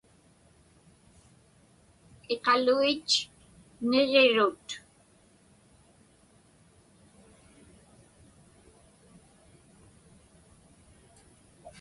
Iqaluit niġirut.